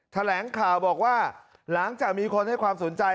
แถลงข่าวบอกว่าหลังจากมีคนให้ความสนใจ